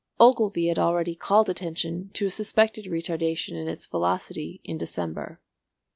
Ogilvy had already called attention to a suspected retardation in its velocity in December.